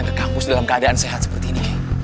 nggak boleh dibiarin